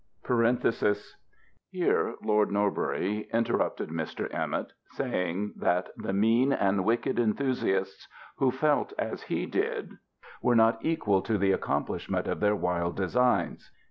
[Here lord Norbury interrupted Mr. Emmet, saying, that the mean and wicked enthusiasts who felt as he did, were not equal to the ac complishment of their wild designs.